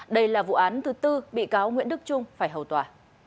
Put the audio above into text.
đây là vụ án thứ tư bị cáo nguyễn đức trung phải hầu tòa